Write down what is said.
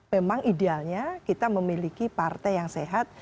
memang idealnya kita memiliki partai yang sehat